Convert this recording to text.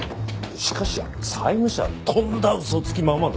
しかし債務者はとんだ嘘つきママだぞ。